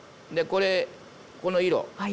でこれこの色。